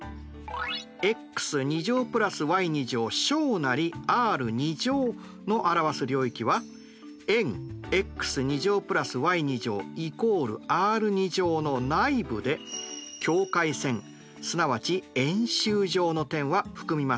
ｘ＋ｙｒの表す領域は円ｘ＋ｙ＝ｒの内部で境界線すなわち円周上の点は含みません。